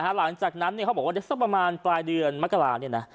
นะฮะหลังจากนั้นเนี้ยเขาบอกว่าจะสักประมาณปลายเดือนมกราเนี้ยน่ะ